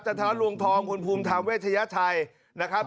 ทรลวงทองคุณภูมิธรรมเวชยชัยนะครับ